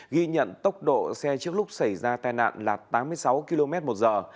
ghi nhận tốc độ xe trước lúc xảy ra tai nạn là tám mươi sáu km một giờ